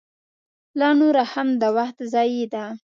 لا نوره هم د وخت ضایع ده.